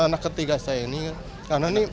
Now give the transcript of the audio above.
ini anak ketiga saya ini